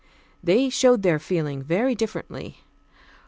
They showed their feeling very differently.